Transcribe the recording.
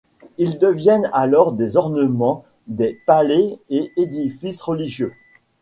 Ils deviennent alors des ornements des palais et édifices religieux.